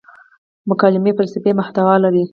مکالمې فلسفي محتوا لري.